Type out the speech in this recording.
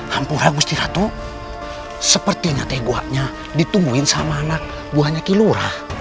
hempura gusti ratu sepertinya teguhannya ditungguin sama anak buahnya kilurah